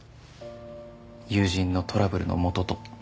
友人のトラブルのもとと。